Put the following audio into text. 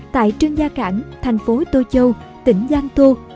tại trương gia cảnh thành phố tô châu tỉnh giang tô